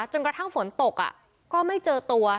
จนกระทั่งฝนตกก็ไม่เจอตัว